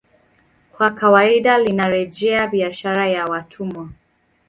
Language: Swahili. Kwa kawaida linarejea biashara ya watumwa